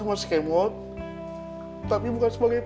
enak lah tuh neng